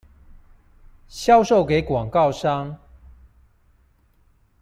銷售給廣告商